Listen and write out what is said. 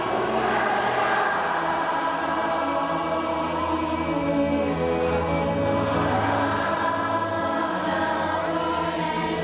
ยากล้วนเตรียมพืชกับท่านเริ่มเติม